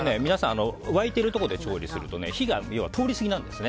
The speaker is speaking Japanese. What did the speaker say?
皆さん、沸いているところで調理すると火が通りすぎなんですね。